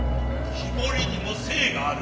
木彫にも精がある。